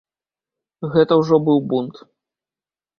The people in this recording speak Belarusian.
Гэта ўжо быў бунт.